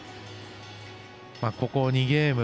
ここ２ゲーム